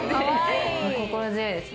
心強いですね。